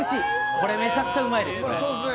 これ、めちゃくちゃうまいです。